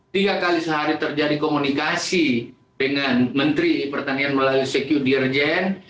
tiga kali sehari terjadi komunikasi dengan menteri pertanian melalui secure dirjen